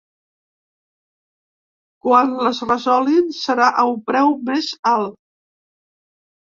Quan les resolguin, serà a un preu més alt.